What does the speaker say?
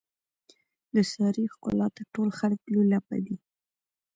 د سارې ښکلاته ټول خلک لولپه دي.